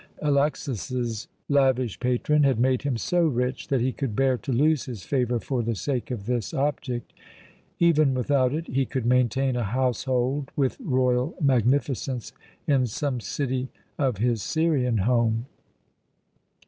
Alexas's lavish patron had made him so rich that he could bear to lose his favour for the sake of this object. Even without it, he could maintain a household with royal magnificence in some city of his Syrian home.